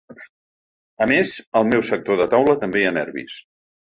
A més, al meu sector de taula també hi ha nervis.